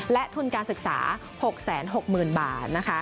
และทุนการศึกษา๖๖๐๐๐บาท